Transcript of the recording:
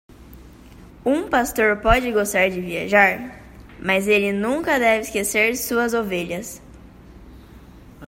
Um pastor pode gostar de viajar?, mas ele nunca deve esquecer suas ovelhas.